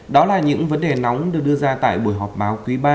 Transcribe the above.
đó là những vấn đề nóng được đưa ra tại buổi họp báo quý ba